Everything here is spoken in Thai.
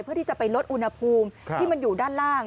เพื่อที่จะไปลดอุณหภูมิที่มันอยู่ด้านล่าง